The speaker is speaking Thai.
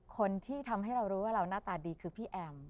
คนที่ทำให้เรารู้ว่าเราหน้าตาดีคือพี่แอม